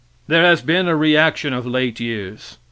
There has been a reaction of late years.